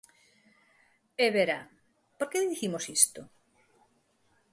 E, verá, ¿por que dicimos isto?